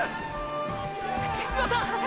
手嶋さん！！